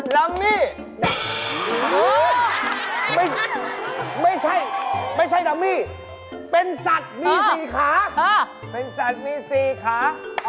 ลัมมี่โอ๊ยไม่ใช่ลัมมี่เป็นสัตว์มีสี่ขาเป็นสัตว์มีสี่ขา